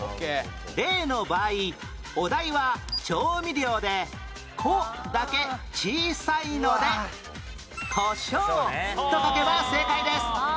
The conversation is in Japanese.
例の場合お題は調味料で「こ」だけ小さいので「こしょう」と書けば正解です